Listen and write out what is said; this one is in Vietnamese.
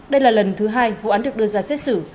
đây là lần thứ hai vụ án được đưa ra xét xử